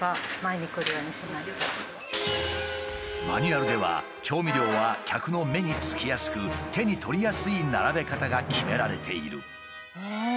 マニュアルでは調味料は客の目につきやすく手に取りやすい並べ方が決められている。